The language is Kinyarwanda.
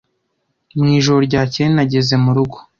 Mwijoro ryakeye nageze murugo.